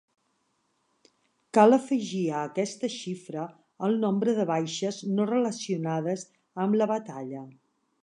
Cal afegir a aquesta xifra el nombre de baixes no relacionades amb la batalla.